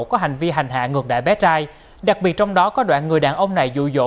có hành vi hành hạ ngược đại bé trai đặc biệt trong đó có đoạn người đàn ông này dụ dỗ